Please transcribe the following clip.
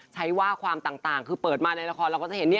ใช้ว่าความต่างคือเปิดมาในละครเราก็จะเห็น